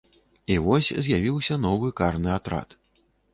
І вось з'явіўся новы карны атрад.